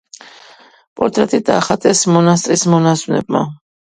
პორტრეტი დახატეს მონასტრის მონაზვნებმა.